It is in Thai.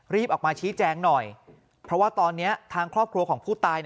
ออกมาชี้แจงหน่อยเพราะว่าตอนนี้ทางครอบครัวของผู้ตาย